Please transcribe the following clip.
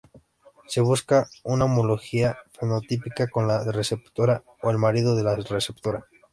Se busca una homologación fenotípica con la receptora o el marido de la receptora.